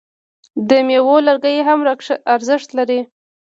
د میوو لرګي هم ارزښت لري.